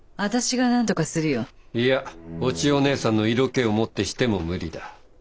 いやお千代ねえさんの色気をもってしても無理だ。